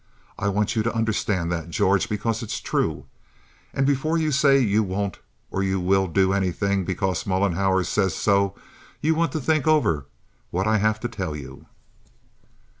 I want you to understand that, George, because it's true. And before you say you won't or you will do anything because Mollenhauer says so, you want to think over what I have to tell you."